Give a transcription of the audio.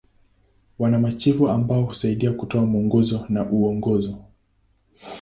Wana machifu ambao husaidia kutoa mwongozo na uongozi.